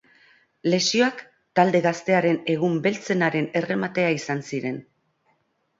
Lesioak talde gaztearen egun beltzenaren errematea izan ziren.